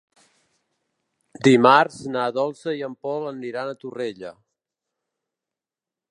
Dimarts na Dolça i en Pol aniran a Torrella.